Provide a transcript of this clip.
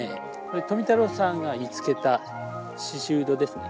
富太郎さんが見つけたシシウドですね。